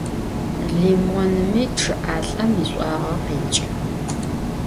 Limonmi ççı'alh'em yiş'uağe khêç'ı.